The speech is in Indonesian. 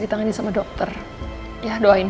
di tangan sama dokter ya doain